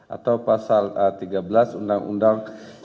atau pasal tiga belas undang undang